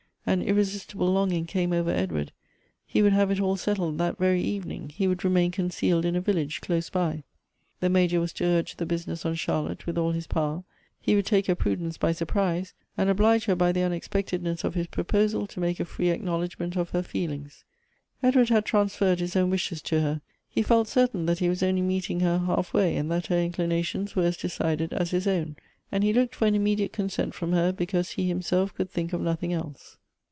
An irresistible longing came over Edward ; he would have it all settled that very evening; he would remain concealed in a village close by. The Major was to urge the busi ness on Charlotte with all his power ; he would take her prudence by surprise ; and oblige her by the unexpected ness of his proposal to make a free acknowledgment of her feelings. Edward had transferred his own wishes to her ; he felt certain that he was only meeting her half way, and that her inclinations were as decided as his own ; and he looked for an immediate consent from her, because he himself could think of nothing elSe.